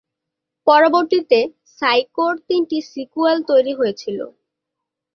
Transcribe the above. পরবর্তীতে সাইকো’র তিনটি সিক্যুয়াল তৈরি হয়েছিলো।